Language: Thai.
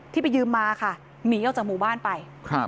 ไปยืมมาค่ะหนีออกจากหมู่บ้านไป